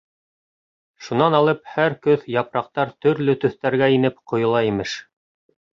Шунан алып һәр көҙ япраҡтар төрлө төҫтәргә инеп, ҡойола, имеш.